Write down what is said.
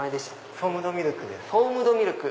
フォームドミルクです。